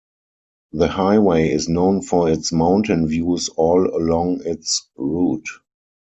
The highway is known for its mountain views all along its route.